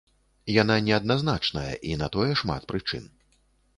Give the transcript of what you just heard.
Яна не адназначная, і на тое шмат прычын.